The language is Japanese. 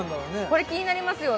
これ気になりますよね